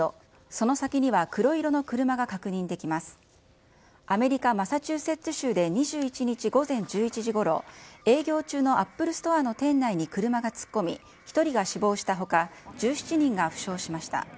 その先には黒色の車が確認できますアメリカ・マサチューセッツ州で２１日午前１１時ごろ、営業中のアップルストアの店内に車が突っ込み、１人が死亡したほか、１７人が負傷しました。